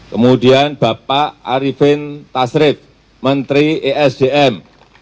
kemudian bapak arifin tasrif menteri esdm